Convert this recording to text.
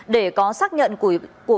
để có xác nhận của